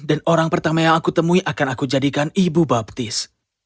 dan orang pertama yang aku temui akan aku jadikan ibu baptis